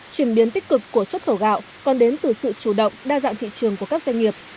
chuyển biến tích cực của xuất khẩu gạo còn đến từ sự chủ động đa dạng thị trường của các doanh nghiệp